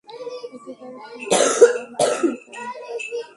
এতে তার ফিরতে বিলম্ব হয়ে যায়।